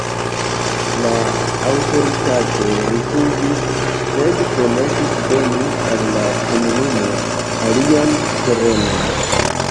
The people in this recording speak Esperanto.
La aŭtoritatoj rifuzis, sed promesis doni al la komunumo alian terenon.